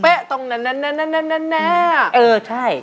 เออใช่